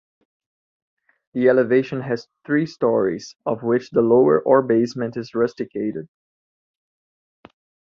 The elevation has three stories, of which the lower or basement is rusticated.